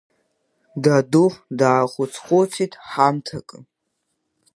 Даду даахәыц-хәыцит ҳамҭакы.